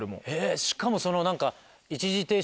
しかもその何か。